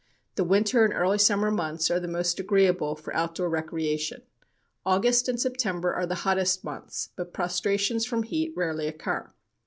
The winter and early summer months are the most agreeable for outdoor recreation. August and September are the hottest months, but prostrations from heat rarely occur.